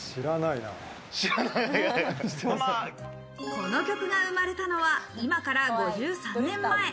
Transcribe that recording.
この曲が生まれたのは今から５３年前。